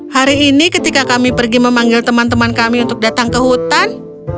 hari ini ketika kami pergi memanggil teman teman kami untuk datang ke hutan